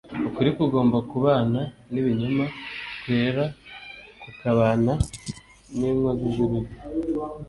ukuri kugomba kubana n'ibinyoma, kwera kukabana n'inkozi z'ibibi.